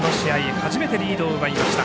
初めてリードを奪いました。